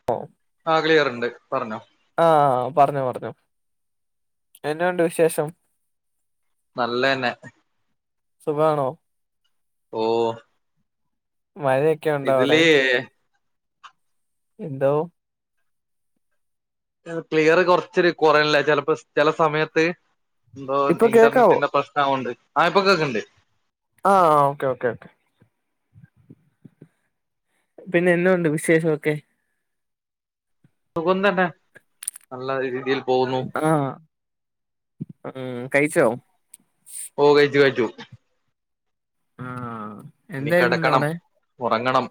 [unintelligible] ആഹ് ക്ലിയറുണ്ട് പറഞ്ഞോ ആഹ് ആഹ് പറഞ്ഞോ പറഞ്ഞോ എന്നാ ഒണ്ട് വിശേഷം? നല്ലെന്നെ സുഖാണോ? ഓഹ് മഴയെക് ഇതില് എന്തോ ക്ലിയറ് കൊറച്ചൊരു കൊറയലല്ലേ ചെലപ്പോ ചെല സമയത്ത് എന്തോ ഇപ്പൊ കേക്കാവോ ഇന്റർനെറ്റിന്റെ പ്രശനാവോണ്ട് ആഹ് ഇപ്പൊ കേക്ക്ണ്ട് ആഹ് ഓക്കെ ഓക്കെ ഓക്കെ പിന്നെ എന്നാ ഒണ്ട് വിശേഷൊക്കെ? സുഖം തന്നെ നല്ല രീതിൽ ആഹ് ഉം കയിച്ചോ? ഓഹ് കഴിച്ചു കഴിച്ചു ആഹ് ഇനി എന്തായിരുന്നു ഇന്ന് കെടക്കണം അവിടെ ഒറങ്ങണം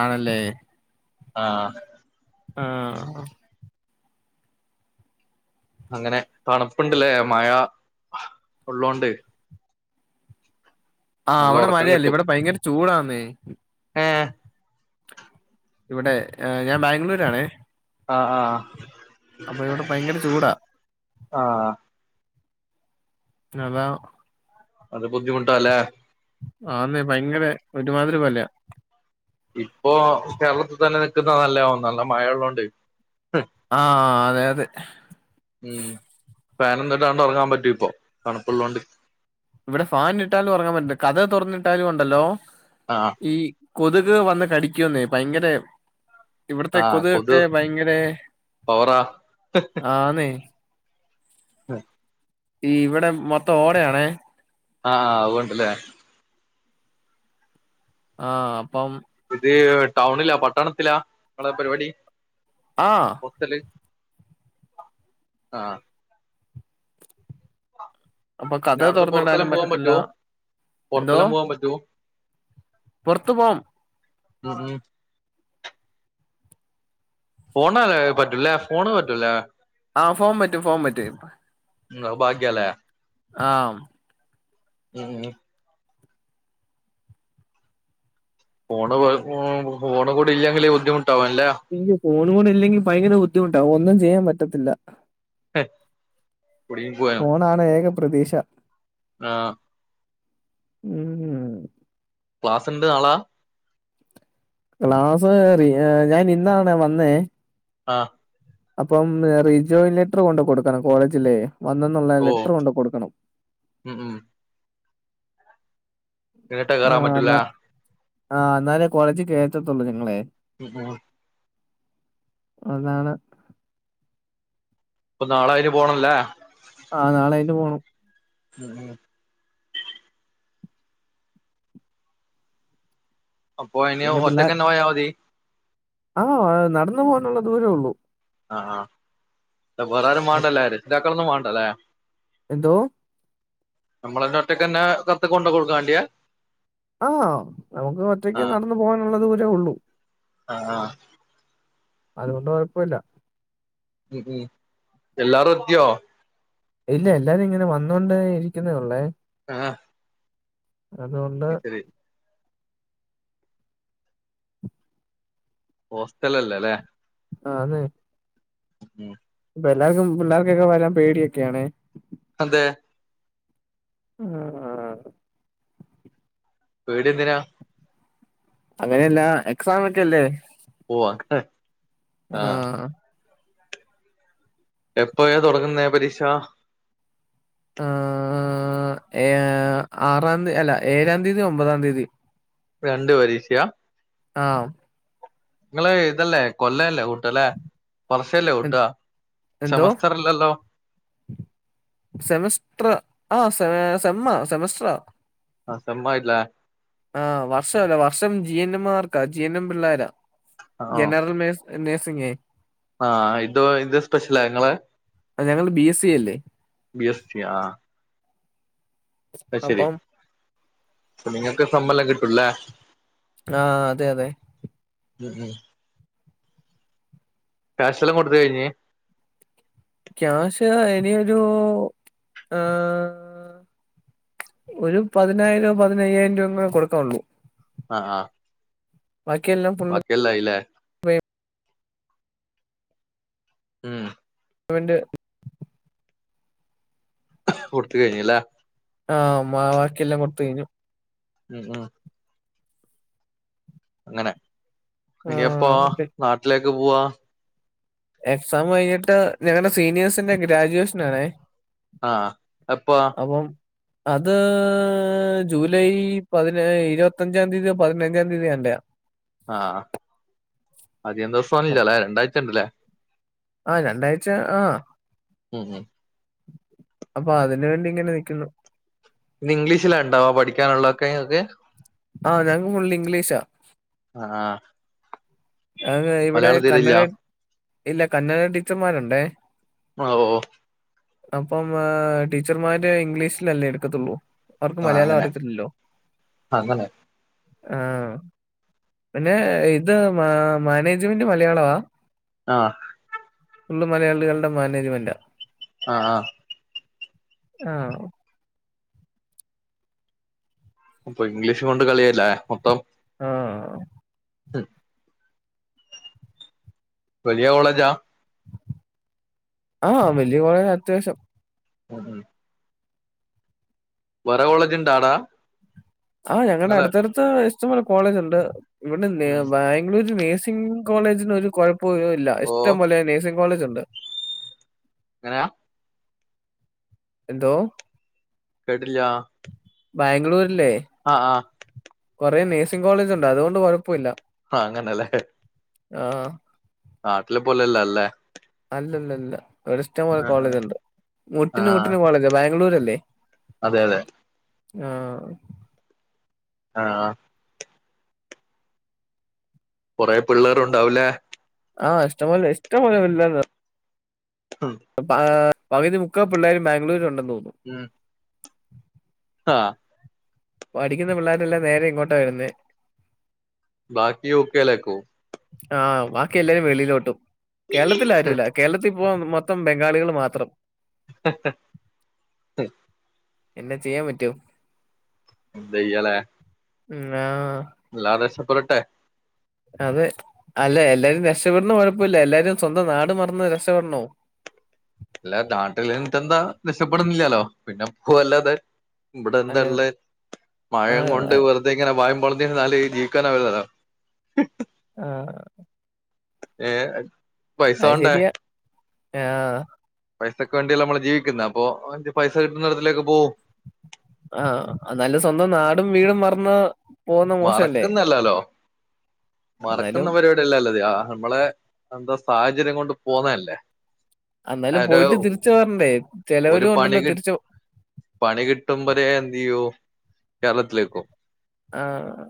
ആണല്ലേ ആഹ് ആഹ് അങ്ങനെ തണുപ്പ്ണ്ട്ലെ മഴ ഉള്ളോണ്ട് ആഹ് നല്ല അവിടെ ഉറക്കം മഴയാല്ലേ ഇവിടെ ഭയങ്കര ചൂടാന്നേ ഏഹ് ഇവിടെ ഏഹ് ഞാൻ ബാംഗ്ലൂരാണേ ആഹ് ആഹ് അപ്പൊ ഇവിടെ ഭയങ്കര ചൂടാ ആഹ് അതാ അത് ബുദ്ധിമുട്ടാലെ ആന്നേ ഭയങ്കര ഒരുമാതിരി പോല ഇപ്പൊ കേരളത്തിൽ തന്നെ നിക്കുന്ന നല്ലെ നല്ല മഴയള്ളതോണ്ട് ആഹ് അതെ അതെ ഉം ഫാനൊന്നും ഇടാതെ ഉറങ്ങാൻ പറ്റും ഇപ്പൊ തണുപ്പുള്ളതുകൊണ്ട് ഇവിടെ ഫാൻ ഇട്ടാലും ഉറങ്ങാൻ പറ്റില്ല കതക് തുറന്നിട്ടാലും ഉണ്ടല്ലോ ആഹ് ഈ കൊതുക് വന്ന് കടിക്കന്നേ ഭയങ്കര ഇവിടത്തെ കൊതു ഒക്കെ ഭയങ്കര പവറാ ആന്നെ ആഹ് ഈ ഇവിടെ മൊത്തം ഓടയാണെ ആഹ് ആഹ് അതോണ്ട് ലെ ആഹ് അപ്പം ഇത് ടൗണിലാ പട്ടണത്തിലാ ങ്ങളെ പരിപാടി ആഹ് വിക്കല് ആഹ് അപ്പൊ പിന്നെ കതക് അവിടുന്ന് പുറത്തെല്ലാം തുറന്നിടാനും പോവാൻ പറ്റത്തില്ല പറ്റുവോ എന്തോ പുറത്തെല്ലാം പോവാൻ പറ്റുവോ പുറത്തു പോവും ഉം ഉം ഫോണല്ല പറ്റൂലേ ഫോണ് പറ്റൂല ആഹ് ഫോൺ പറ്റും ഫോൺ പറ്റും ന്തോ ഭാഗ്യലെ ആഹ് ഉം ഉം ഫോണ് ഫോണ് കൂടി ഇല്ലെങ്കില് ബുദ്ധിമുട്ടാവുലെ അയ്യോ ഫോൺ കൂടെ ഇല്ലെങ്കിൽ ഭയങ്കര ബുദ്ധിമുട്ടാകും ഒന്നും ചെയ്യാൻ പറ്റത്തില്ല കുടുങ്ങി ഫോണാണ് ഏക പ്രതീക്ഷ ആഹ്‌ [unintelligible] ക്ലാസ്സ്ണ്ട് നാളാ ക്ലാസ് റിയ ഞാനിന്നാണ് വന്നേ ആഹ് അപ്പം റിജോയി ലെറ്റർ കൊണ്ട് കൊടുക്കണം കോളേജിലേ വന്നെന്നുള്ള ലെറ്റർ കൊണ്ട് കൊടുക്കണം ഉംഹ് ഉംഹ് എന്നിട്ടാ ആ കേറാൻ പറ്റൂല്ല എന്നാ ആ ന്നാലേ കോളേജ് കേറ്റത്തുള്ളൂ നി ങ്ങളെ [unintelligible] അതാണ് ഇപ്പൊ നാളെ അയിന് പോകണല്ലേ ആഹ്‌ നാള അയിന് പോണം ഉംഹ് ഉംഹ് അപ്പൊ ഇനിയൊ ഒറ്റക്കന്നെ പോയാ മതി? ആഹ്‌ നടന്നു പോവാനുള്ള ദൂരേയൊള്ളൂ ആഹ്‌ ആ അപ്പ വേറാരും അ- വേണ്ടല്ലേ? രക്ഷിതാക്കളൊന്നും വാണ്ടല്ലേ? എന്തോ? നമ്മളന്നെ ഒറ്റയ്ക്കന്നെ കത്ത് കൊണ്ടോ കൊടുക്കാ വാണ്ടിയെ? ആഹ്‌ നമുക്ക് ആ ഒറ്റയ്ക്ക് നടന്നു പോകാനുള്ള ദൂരെയൊള്ളു ആ ആ അതുകൊണ്ട് കൊഴപ്പവില്ല ഉംഹ് ഉംഹ് എല്ലാറും എത്തിയോ? ഇല്ല എല്ലാരുയിങ്ങനെ വന്നോണ്ടേ ഇരിക്കുന്നെ ഒള്ളേ ആഹ്‌ അതുകൊണ്ട് ഹോസ്റ്റലല്ലേ ലേ? ആഹ്‌ അതെ ഉം അപ്പെല്ലാർക്കും പിള്ളേർക്കൊക്കെ വരാൻ പേടിയൊക്കെയാണെ അതെ ആഹ് ആഹ് പേടിയെന്തിനാ? അങ്ങനെയല്ല എക്സാമൊക്കെയല്ലേ ഓഹ് അങ്ങനെ ആഹ്‌ എപ്പഴാ തൊടങ്ങുന്നെ പരീക്ഷ? ആഹ് ഏഹ് ആറാന്തി അല്ല ഏഴാന്തിയതി ഒമ്പതാന്തിയതി അപ്പ രണ്ട് പരീക്ഷയ? ആഹ്‌ ഇങ്ങള് ഇതല്ലേ കൊല്ലവല്ലേ കൂട്ടല്ലേ? വർഷവല്ലേ കൂട്ട സെമസ്റ്ററല്ലല്ലോ? സെമസ്റ്ററ് ആഹ്‌ സെ സെമ്മ സെമസ്റ്ററാ ആഹ്‌ സെമ്മയിട്ട്ലേ? ആഹ്‌ വർഷവല്ല വർഷം ജി. എൻ. എം. മാർക്കാ ജി. എൻ. എം. പിള്ളോര ആ ജനറൽ നെ ഴ്സ്സിങ്ങേ ആഹ്‌ ഇതോ എന്ത് സ്പെഷ്യല ഇങ്ങളെ ഞങ്ങൾ ബി എസ് സി അല്ലേ ബി. എസ്. സി യോ ആഹ്‌ അഹ് ശരി അപ്പം അപ്പൊ നിങ്ങക്ക് സെമ്മെല്ലാം കിട്ടൂ അല്ലേ? ആഹ്‌ അതെ അതെ ഉം ഉം ക്യാഷെല്ലാം കൊടുത്ത് കഴിഞ്? ക്യാഷ് ഇനിയൊരു ഏഹേ ഒരു പതിനായിരം പതിനയ്യായിരം രൂപം കൂടെ കൊടുക്കാവൊള്ളൂ ആഹ് ആഹ് ബാക്കിയെല്ലാം ഫുള്ള് ബാക്കിയെല്ലായില്ലേ? ഉം ക്സാമിന്റെ കൊടുത്ത് കഴിഞ് ല്ലേ? ആഹ് ബാക്കിയെല്ലാം കൊടുത്ത കഴിഞ്ഞു ഉം ആഹ് അങ്ങനെ ഇനിയെപ്പോ നാട്ടിലേക്ക് പോവാ എക്സാം കഴിഞ്ഞിട്ട് ഞങ്ങളുടെ സീനിയേഴ്സിന്റെ ഗ്രാജുവേഷനാണേ ആഹ് എപ്പൊ അപ്പം അത് ജൂലൈ പതിനേ ഇരുപത്തഞ്ചാം തീയതിയൊ പതിനഞ്ചാം തീയതിന്നെയാ ആഹ് അധികം ദിവസം ഇല്ല അല്ലേ രണ്ടായിഴ്ച ണ്ടല്ലേ ആഹ് രണ്ടാഴ്ച ആഹ് ഉം ഉം അപ്പൊ അതിന് വേണ്ടി ഇങ്ങനെ നിക്കുന്നു ഇന്ന് ഇംഗ്ലീഷിലണ്ടാവാ പഠിക്കാനുള്ളതൊക്കെ ഇങ്ങക്ക് ആഹ് ഞങ്ങക്ക് ഫുള്ള് ഇംഗ്ലീഷാ ആഹ് ആഹ് ഇവിടെ മലയാളം കന്നഡ തീരെല്ല ഇല്ല കന്നഡ ടീച്ചർമാരുണ്ടേ ഓഹ് ഓഹ് അപ്പം ടീച്ചർമാര് ഇംഗ്ലീഷിലല്ലേ എടുക്കത്തുള്ളൂ അവർക്ക് ആഹ് മലയാളം അങ്ങനെ അറിയത്തില്ലല്ലോ അങ്ങനെ ആഹ് പിന്നെ ഇത് മാനേജ്മെന്റ് മലയാളവാ ആഹ് ഉള്ള മലയാളികളുടെ മാനേജ്മെന്റാ ആഹ് ആഹ് ആഹ് അപ്പൊ ഇംഗ്ലീഷ് കൊണ്ട് കളിയല്ലേ മൊത്തം ഉം ഉം വലിയ കോളേജാ ആഹ് വലിയ കോളേജ അത്യാവശ്യം ഉം ഉം വേറെ കോളേജ് ഉണ്ടാ ആടെ ആഹ് ഞങ്ങടെ അടുത്തടുത്ത് ഇഷ്ടംപോലെ കോളേജ് ഉണ്ട് ഇവിടെ ഉം ബാ ളൂരു നഴ്സിംഗ കോളേജന് ഒരു കുഴപ്പൊ ഇല്ല ഓ ഇഷ്ടംപോലെ നേഴ്സിംങ് കോളേജ് ഒണ്ട് എങ്ങനെയ എന്തോ കേട്ടില്ലാ ബാംഗ്ലൂരില്ലേ ആഹ് ആഹ് കുറെേ നേഴ്സിംഗ കോളേജ് ഉണ്ട് അതുകൊണ്ട് കുഴപ്പില്ല ആഹ് അങ്ങനെല്ലേ ആഹ് നാട്ടിലെ പോലെല്ല അല്ലേ അല്ലല്ലല്ല ഇവിടെ ഇഷ്ടം പോലെ കോളേജ്ണ്ട് മുട്ടിന് ആഹ് മുട്ടന് കോളേജ ബാംഗ്ലൂര്ല്ലേ അതെ അതെ ആഹ് ആഹ് ആഹ് കൊറേ പിള്ളേര് ഉണ്ടാവുലേ ആഹ് ഇഷ്ടം പോലെ ഇഷ്‌ടം പോലെ [unintelligible] ഉം അപ്പ പകുതി മുക്കാ പിള്ളേരും ബാംഗ്ലൂരു ഉണ്ടെന്ന് തോന്നുന്നു ഉം ആഹ് പഠിക്കുന്ന പിള്ളേരെല്ല നേരെ ഇങ്ങ ബാക്കി [unintelligible] ആഹ് ബാക്കി എല്ലാരും വെളിയിലോട്ടും കേരളത്തില ആരുംല്ല കേരളത്തിൽപ്പോ മൊത്തം ബംഗാളികൾ മാത്രം അഹ് എ [unintelligible] ചെയ്യാൻ പറ്റോ ന്തയ്യല്ലേ ആഹ് [unintelligible] അതെ അല്ല എല്ലാരും രക്ഷപ്പെെടണം കുഴപ്പമില്ല എല്ലാരും സ്വന്തം നാട് മറന്ന് രക്ഷപ്പെടണോ അല്ല നാട്ടിൽ നിന്ന്ട്ട് എന്താ രക്ഷപ്പെടുന്നില്ലാലോ പിന്നെ പോവല്ലാതെ ഇവിടെ എന്താ അല്ല ഉള്ള മഴം ആഹ് കൊണ്ട് വെർ ത ഇങ്ങനെ വായം [unintelligible] ന്നാല് ജീവിക്കാന [unintelligible] ആഹ് ഏഹ് പൈസ അത് വേണ്ടേ ശരിയ ആഹ് പൈസക്ക് വേണ്ടിയല്ലേ നമ്മള് ജീവിക്കുന്നത് അപ്പൊ പൈസ കിട്ടുന്ന ഇടത്തിലേക്ക് പോവും ആഹ് നല്ല സ്വന്തം നാടും വീടും മറന്ന് പോകുന്ന മോശല്ലേ? മറക്കുന്നല്ലല്ലോ എന്നാലും മറക്കുന്നവര് ല്ലല്ലത നമ്മളെ എന്താ സാഹചര്യം കൊണ്ട് പോന്നല്ലേ എന്നാലും പോയിട്ട് തിരിച്ച് പറര്ണ്ടേ ഒരു ചെലവിന് പണി കൊണ്ട്രല്ലോ കി തിരിച്ച് പണി കിട്ടുമ്പരെ എന്ത് ചെയ്യോ കേരളത്തിലേക്കോ ആഹ്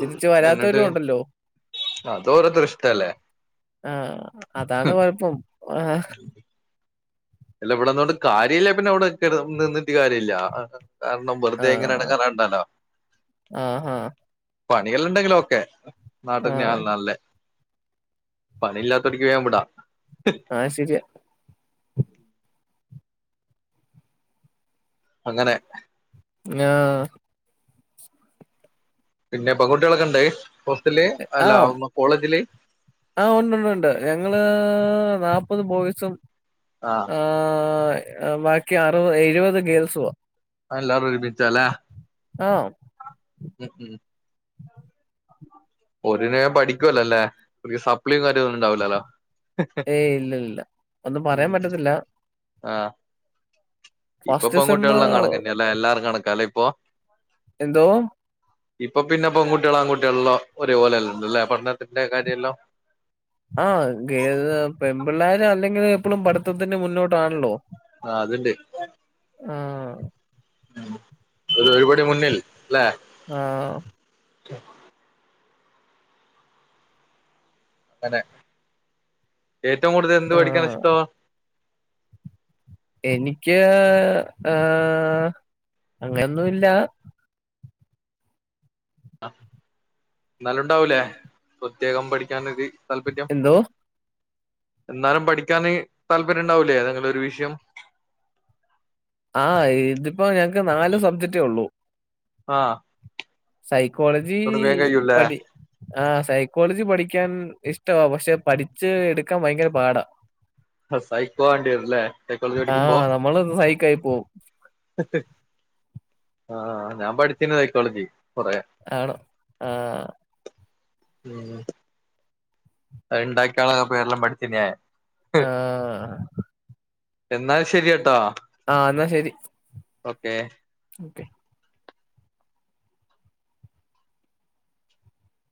തിരിച്ച് എന്നിട്ട് വരാത്തവരും ഉണ്ടല്ലോ അത് ഓരോരുത്തരെ ഇഷ്ടല്ലേ ആഹ് അതാണ് കൊഴപ്പം അല്ല ഇവിടെന്നു കൊണ്ട് കാര്യല്ലെങ്കിൽ പിന്നെ അവിടെ നിന്നിട്ട് കാര്യല്ല കാരണം വെറുതെ ഇങ്ങനെ ആഹ് എടങ്ങേറാവണ്ടല്ലോ ആഹാ പണികള്ണ്ടെങ്കില് ഓക്കെ നാട്ട് ആഹ് [unintelligible] പണില്ലാത്തടക്ക് വയാൻ വിടാ ആഹ് ശരിയ അങ്ങനെ [unintelligible] പിന്നെ പെങ്കുട്ടിയാളൊക്കെ ഉണ്ട് ഹോസ്റ്റൽല് ആഹ് അല്ല കോളേജില് ആഹ് ഉണ്ട്ണ്ട് ഉണ്ട് ഞങ്ങള് നാൽപത് ബോയിസും ആഹ് ആഹ് ബാക്കി അറുപ എഴുപത് ഗേൾസ്വോ അല്ലാരു ഒരുമിച്ച ല്ലേ ആണോ ഉം ഉം [unintelligible] പഠിക്കുവല്ലോ ല്ലേ [unintelligible] സപ്ളി കാര്യൊ ഒന്നും ഉണ്ടാവില്ലല്ലോ ഏയ് ഇല്ല ഇല്ല. ഒന്നും പറയാൻ പറ്റത്തില്ല ആഹ്. ഇപ്പൊ ഫസ്റ്റ് സെമ്മ് പെൺകുട്ടികളെല്ലം കണക്കന്നേല്ലേ എല്ലാരും കണക്കാല്ലേ ഇപ്പൊ? എന്തോ? ഇപ്പൊ പിന്നെ പെൺകുട്ടികളാൺകുട്ടികളെല്ലോ ഒരേപോലെല്ലല്ലേ പടനത്തിന്റെ കാര്യല്ലോ? ആഹ ഗേ പെൺപിള്ളാര് അല്ലെങ്കിലു എപ്പളും പഠത്തത്തിന് മുന്നോട്ട് ട്ടാണല്ലോ ആ അതുണ്ട് ആഹ് ഒരു ഒരുപടി മുന്നിൽ ല്ലേ? ആഹ്. അങ്ങനെ ഏറ്റവും കൂടുതൽ എന്ത് പഠിക്കനാ ആഹ് ഇഷ്ടവാ? എനിക്ക് ആഹ് അങ്ങനൊന്നുല്ലാ. എന്നാലുണ്ടാവൂലേ? പ്രത്യേകം പഠിക്കാനൊര് താല്പര്യം? എന്തോ? എന്നാലും പഠിക്കാന് താല്പര്യണ്ടാവൂല്ലേ ഏതെങ്കിലൊരു വിഷയം? ആഹ്. ഇതിപ്പോ ഞങ്ങക്ക് നാല് സബ്ജക്ടെ ഉള്ളൂ. ആഹ്. സൈക്കോളജീ അതോണ്ട് വേഗം കഴിയൂല്ലേ പഠി ആഹ് സൈക്കോളജി പഠിക്കാൻ ഇഷ്ടവാ. പക്ഷെ പഠിച്ച് എടുക്കാൻ ഭയങ്കര പാടാ. സൈക്കോ ആണ്ടി വരുല്ലേ? സൈക്കോളജി പടിക്കുമ്പോ? ആഹ് നമ്മള് സൈക്കായി പോവും. ആഹ്. ഞാൻ പഠിച്ചിന് സൈക്കോളജി കൊറെയെ. ആണോ ആഹ്. ഉം അഹ് ഇണ്ടാക്കിയാളൊക്കെ പെരെല്ലാം പഠിച്ല്ലേ? ആഹ്. എന്നാൽ ശെരിയെട്ടാ. ആഹ് എന്നാ ശെരി. ഓക്കേ. ഓക്കേ.